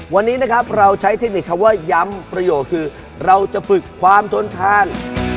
วันนี้นะครับเราใช้เทคนิคคำว่าย้ำประโยคคือเราจะฝึกความทนทาน